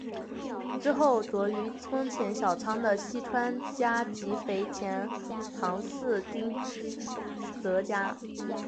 之后出仕于丰前小仓的细川家及肥前唐津寺泽家。